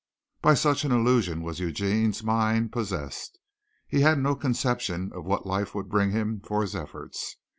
By such an illusion was Eugene's mind possessed. He had no conception of what life would bring him for his efforts.